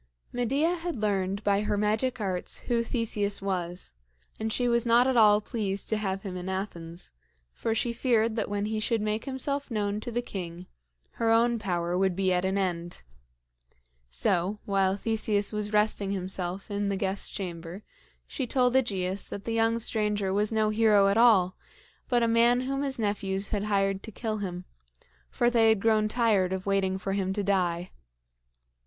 Medea had learned by her magic arts who Theseus was, and she was not at all pleased to have him in Athens; for she feared that when he should make himself known to the king, her own power would be at an end. So, while Theseus was resting himself in the guest chamber, she told AEgeus that the young stranger was no hero at all, but a man whom his nephews had hired to kill him, for they had grown tired of waiting for him to die.